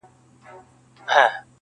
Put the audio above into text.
چنګ دي کم رباب دي کم سارنګ دي کم.!